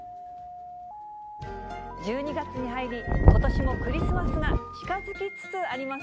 １２月に入り、ことしもクリスマスが近づきつつあります。